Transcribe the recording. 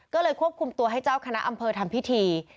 ก็เลยควบคุมตัวให้เจ้าคณะอำเภอทำพิธี